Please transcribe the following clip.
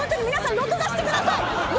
録画して下さい！